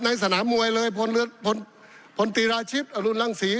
ในสนามวยเลยพลตีราชิฟต์อนุรังศรี